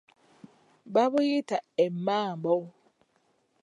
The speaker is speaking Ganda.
Babuyita emmambo.